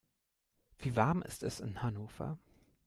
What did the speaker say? Wie warm ist es in Hannover?